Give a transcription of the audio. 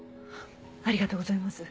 ありがとうございます。